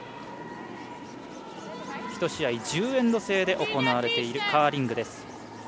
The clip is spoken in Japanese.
１試合１０エンド制で行われているカーリング。